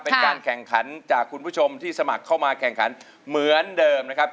เป็นการแข่งขันจากคุณผู้ชมที่สมัครเข้ามาแข่งขันเหมือนเดิมนะครับ